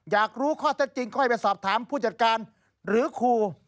อยากรู้ข้อเท็จจริงค่อยไปสอบถามผู้จัดการหรือครู